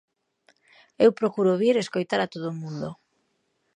Eu procuro vir escoitar a todo o mundo.